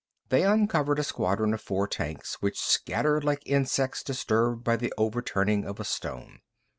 They uncovered a squadron of four tanks, which scattered like insects disturbed by the overturning of a stone.